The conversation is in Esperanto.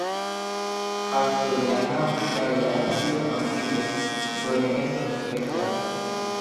Akso de la navo kaj la absido rompiĝas, do ne estas rekta.